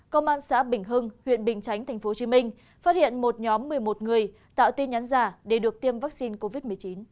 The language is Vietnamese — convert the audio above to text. công an xã bình hưng huyện bình chánh tp hcm phát hiện một nhóm một mươi một người tạo tin nhắn giả để được tiêm vaccine covid một mươi chín